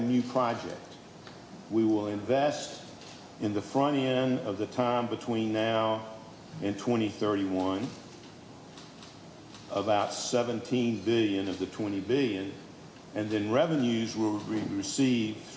masalah besar adalah memiliki kepercayaan